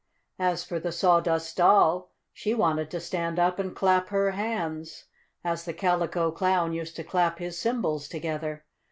As for the Sawdust Doll, she wanted to stand up and clap her hands, as the Calico Clown used to clap his cymbals together.